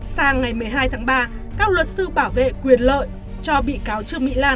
sang ngày một mươi hai tháng ba các luật sư bảo vệ quyền lợi cho bị cáo trương mỹ lan